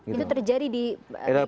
itu terjadi di